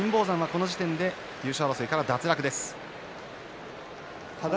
この時点で優勝争いから脱落です。